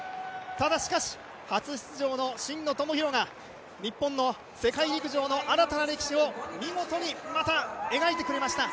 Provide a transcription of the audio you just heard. ただ、しかし初出場の真野友博が日本の世界陸上の新たな歴史を見事にまた、描いてくれました。